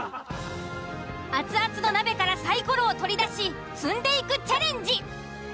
熱々の鍋からサイコロを取り出し積んでいくチャレンジ。